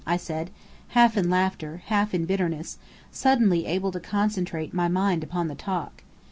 I said, half in laughter, half in bitterness, suddenly able to concentrate my mind upon the talk.